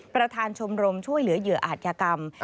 ประธานชมรมช่วยเหลือเหยื่ออาจยากรรม